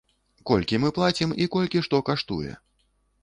Колькі мы плацім і колькі што каштуе?